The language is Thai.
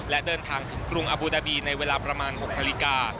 และเดินทางถึงกรุงอบูดาบีในเวลาประมาณ๖นาฬิกา